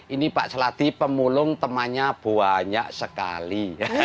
ini pak seladi pemulung temannya banyak sekali